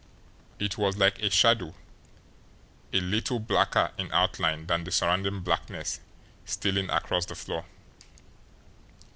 It was like a shadow, a little blacker in outline than the surrounding blackness, stealing across the floor.